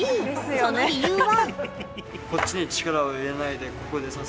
その理由は。